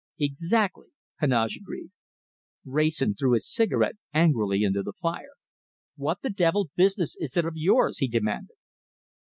"Exactly," Heneage agreed. Wrayson threw his cigarette angrily into the fire. "What the devil business is it of yours?" he demanded.